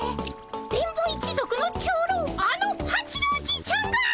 電ボ一族の長老あの八郎じいちゃんが？